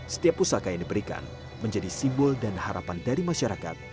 setiap pusaka yang diberikan menjadi simbol dan harapan dari masyarakat